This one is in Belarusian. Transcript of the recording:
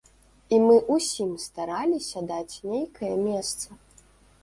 І мы ўсім стараліся даць нейкае месца.